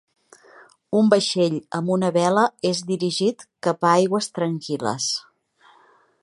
Un vaixell amb una vela és dirigit cap a aigües tranquil·les.